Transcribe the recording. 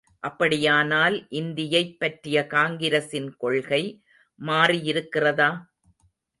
அப்படியானால் இந்தியைப் பற்றிய காங்கிரசின் கொள்கை மாறியிருக்கிறதா?